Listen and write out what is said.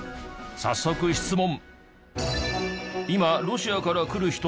早速質問。